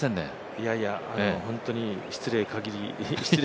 いやいや、本当に失礼